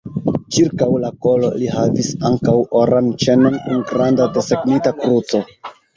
Ĉirkaŭ la kolo li havis ankaŭ oran ĉenon kun granda desegnita kruco.